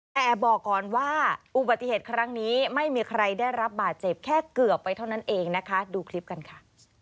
แต่บอกก่อนว่าอุบัติเหตุครั้งนี้ไม่มีใครได้รับบาดเจ็บแค่เกือบไปเท่านั้นเองนะคะดูคลิปกันค่ะ